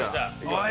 おい！